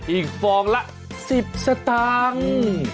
ฟองละ๑๐สตางค์